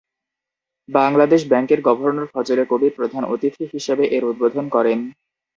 বাংলাদেশ ব্যাংকের গভর্নর ফজলে কবির প্রধান অতিথি হিসেবে এর উদ্বোধন করেন।